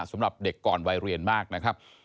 สำหรับเด็กก่อนวัยเรียนมากนะครับ